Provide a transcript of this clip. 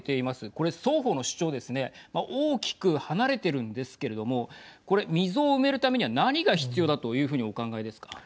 これ双方の主張ですね大きく離れてるんですけれどもこれ、溝を埋めるためには何が必要だというふうにお考えですか。